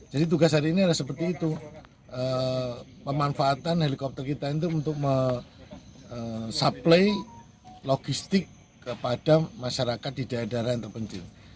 jadi tugas hari ini adalah seperti itu pemanfaatan helikopter kita itu untuk mensuplai logistik kepada masyarakat di daerah daerah yang terpencil